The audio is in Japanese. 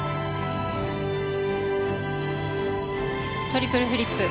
トリプルフリップ。